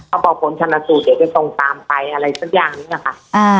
บอกผลชนสูตรเดี๋ยวจะส่งตามไปอะไรสักอย่างนี้แหละค่ะ